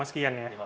lima sekian ya